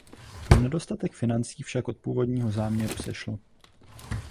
Pro nedostatek financí však od původního záměru sešlo.